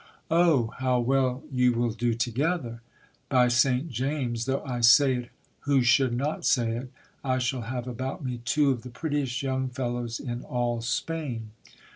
Oh ! how well you will do together ! By St James, though I say it who should not say it, I shall have about me two of the prettiest young fellows in all Spain.